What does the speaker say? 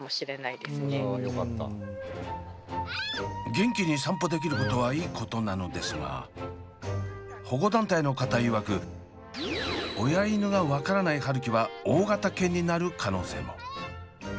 元気に散歩できることはいいことなのですが保護団体の方いわく親犬が分からない春輝は大型犬になる可能性も。